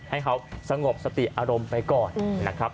ให้เขาสงบสติอารมณ์ไปก่อนนะครับ